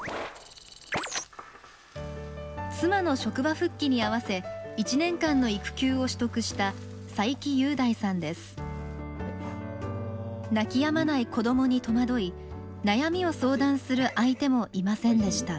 妻の職場復帰にあわせ１年間の育休を取得した泣きやまない子どもに戸惑い悩みを相談する相手もいませんでした。